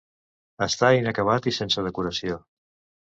Està inacabat i sense decoració.